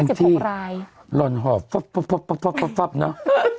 อันที่หล่อนหอบปุ๊บเนอะ